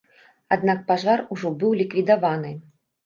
Аднак пажар ужо быў ліквідаваны.